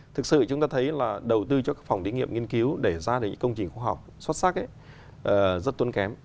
thực sự chúng ta thấy là đầu tư cho các phòng thử nghiệm nghiên cứu để ra những công trình khoa học xuất sắc rất tốn kém